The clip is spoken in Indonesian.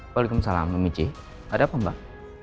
waalaikumsalam mbak mici ada apa mbak